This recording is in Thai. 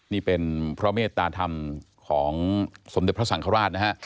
นี่เป็นพระเมตตาธรรมของสมเด็จพระสังฆราชนะฮะ